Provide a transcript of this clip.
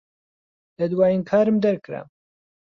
لە دوایین کارم دەرکرام.